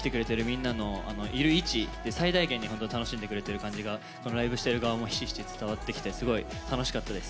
みんなのいる位置で最大限に本当楽しんでくれてる感じがライブしてる側もひしひし伝わってきてすごい楽しかったです。